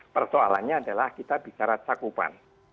persoalannya adalah kita bicara cakupan